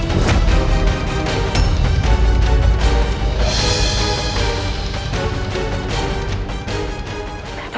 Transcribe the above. di depan matahari saya